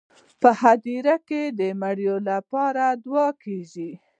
په هدیره کې د مړو لپاره دعا کیږي.